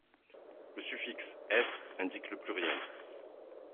La suffixe -s indique le pluriel.